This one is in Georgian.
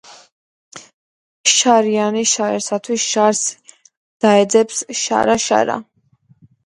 შარიანი შარისათვის შარს დაეძებს შარა-შარა.